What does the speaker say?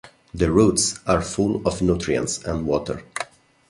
The roots are full of nutrients and water.